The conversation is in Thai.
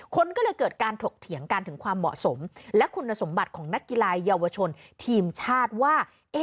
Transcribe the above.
คนก็เลยเกิดการถกเถียงกันถึงความเหมาะสมและคุณสมบัติของนักกีฬาเยาวชนทีมชาติว่า